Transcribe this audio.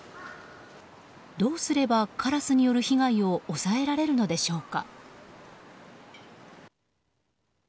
どうすればカラスによる被害を抑えられるのでしょうか。